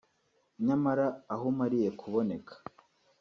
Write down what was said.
nyamara aho umariye kuboneka